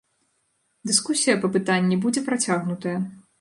Дыскусія па пытанні будзе працягнутая.